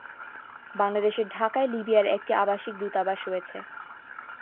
বাংলাদেশের ঢাকায় লিবিয়ার একটি আবাসিক দূতাবাস রয়েছে।